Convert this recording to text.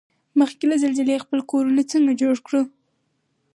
مخکې له زلزلې خپل کورنه څنګه جوړ کوړو؟